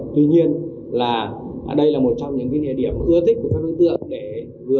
tuy nhiên đây là một trong những địa điểm ưa thích của các đối tượng